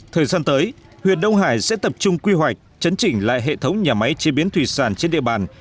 thời gian tới huyện đông hải sẽ tập trung quy hoạch chấn chỉnh lại hệ thống nhà máy chế biến thủy sản trên địa bàn